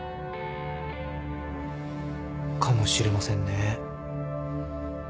かもしれませんね。